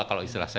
kalau istilah saya